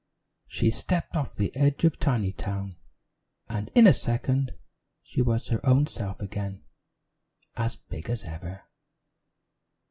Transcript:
She stepped off the edge of Tinytown, and in a second she was her own self again, as big as ever.